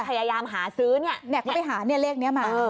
พยายามหาซื้อเนี้ยเนี้ยเขาไปหาเนี้ยเลขเนี้ยมาเออ